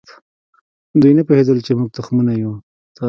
دوی نه پوهېدل چې موږ تخمونه یو.